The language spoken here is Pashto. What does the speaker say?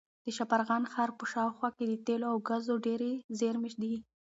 د شبرغان ښار په شاوخوا کې د تېلو او ګازو ډېرې زېرمې دي.